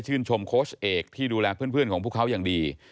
ชมโค้ชเอกที่ดูแลเพื่อนของพวกเขาอย่างดี